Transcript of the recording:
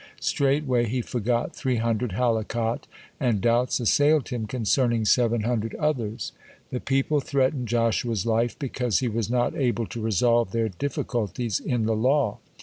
Straightway he forgot three hundred Halakot, and doubts assailed him concerning seven hundred others. The people threatened Joshua's life, because he was not able to resolve their difficulties in the law.